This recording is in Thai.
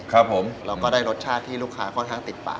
คือเราก็ได้รสชาติที่ลูกค้าก็ค่อนข้างติดปาก